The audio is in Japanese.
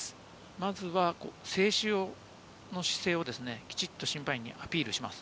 まずは制止の姿勢をきちんと審判員にアピールします。